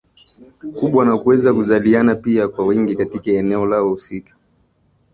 kubwa na kuweza kuzaliana pia kwa wingi katika eneo lao husika